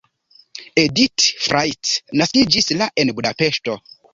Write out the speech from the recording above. Edit Frajt naskiĝis la en Budapeŝto.